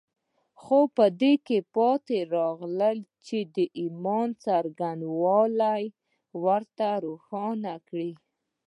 خو په دې کې پاتې راغلي چې د ايمان څرنګوالي ورته روښانه کړي.